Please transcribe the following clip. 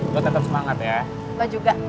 lo tetap semangat ya lo juga